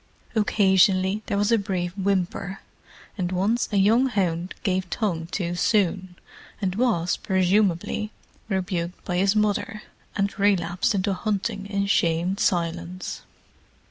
Occasionally there was a brief whimper, and once a young hound gave tongue too soon, and was, presumably, rebuked by his mother, and relapsed into hunting in shamed silence.